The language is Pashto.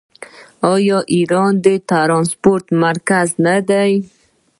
آیا ایران د ټرانسپورټ مرکز نه دی؟